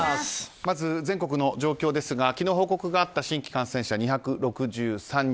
まず全国の状況ですが昨日、報告があった新規感染者２６３人。